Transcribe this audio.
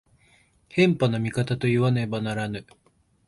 偏頗な見方といわねばならぬ。